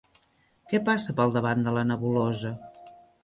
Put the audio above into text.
Què passa pel davant de la nebulosa?